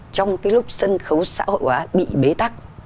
trong cái lúc sân khấu xã hội hóa bị bế tắc